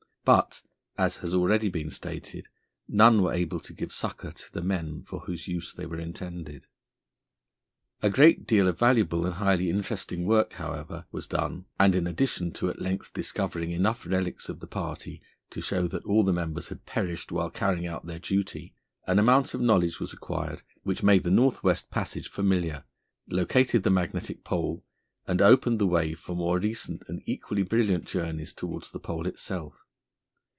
But, as has already been stated, none were able to give succour to the men for whose use they were intended. A great deal of valuable and highly interesting work, however, was done, and in addition to at length discovering enough relics of the party to show that all the members had perished while carrying out their duty, an amount of knowledge was acquired which made the North West Passage familiar, located the Magnetic Pole, and opened the way for more recent and equally brilliant journeys towards the Pole itself.